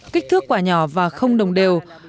kích thước quả nhỏ và không đồng đều